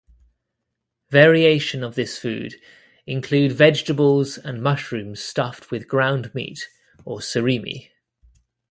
Variation of this food include vegetables and mushrooms stuffed with ground meat or surimi.